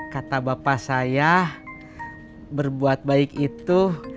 kata bapak saya berbuat baik itu